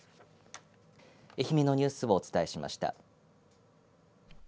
愛媛のニュースをお伝えしました。